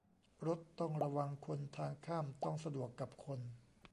รถต้องระวังคน ทางข้ามต้องสะดวกกับคน